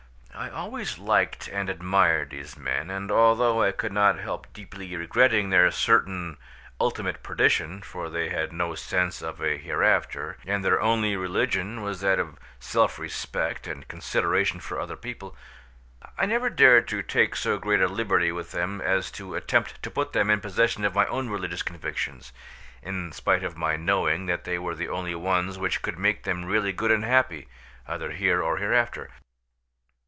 I always liked and admired these men, and although I could not help deeply regretting their certain ultimate perdition (for they had no sense of a hereafter, and their only religion was that of self respect and consideration for other people), I never dared to take so great a liberty with them as to attempt to put them in possession of my own religious convictions, in spite of my knowing that they were the only ones which could make them really good and happy, either here or hereafter.